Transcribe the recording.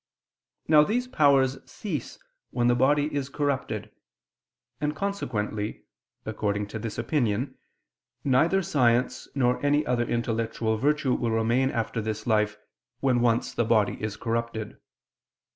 Now these powers cease when the body is corrupted: and consequently, according to this opinion, neither science nor any other intellectual virtue will remain after this life when once the body is corrupted.